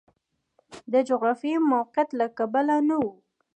د جغرافیوي موقعیت له کبله نه و.